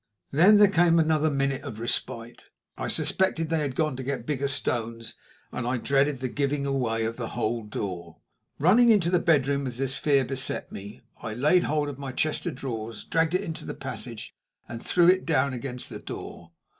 Then there came another minute of respite. I suspected they had gone to get bigger stones, and I dreaded the giving way of the whole door. Running into the bedroom as this fear beset me, I laid hold of my chest of drawers, dragged it into the passage, and threw it down against the door.